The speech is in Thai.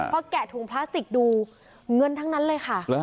พอแกะถุงพลาสติกดูเงินทั้งนั้นเลยค่ะ